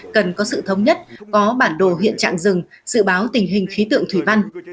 cần có sự thống nhất có bản đồ hiện trạng rừng dự báo tình hình khí tượng thủy văn